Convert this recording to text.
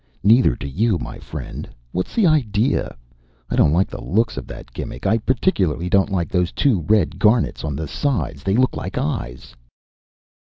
"Neither do you, my friend. What's the idea? I don't like the looks of that gimmick. I particularly don't like those two red garnets on the sides. They look like eyes."